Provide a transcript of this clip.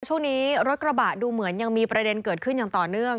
ช่วงนี้รถกระบะดูเหมือนยังมีประเด็นเกิดขึ้นอย่างต่อเนื่อง